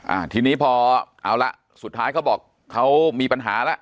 อ่าทีนี้พอเอาละสุดท้ายเขาบอกเขามีปัญหาแล้ว